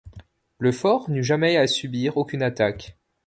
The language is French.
Le fort n'eut jamais à subir aucune attaque.